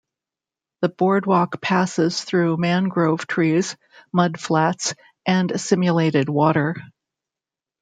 The boardwalk passes through mangrove trees, mudflats, and simulated water.